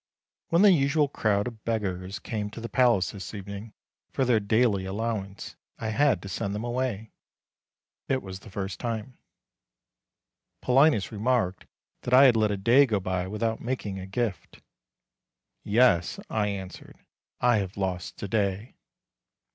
When the usual crowd of beggars came to the palace this evening for their daily allowance I had to send them away. It was the first time, Paulinus remarked, that I had let a day go by without making a gift. "Yes," I answered, "I have lost a day."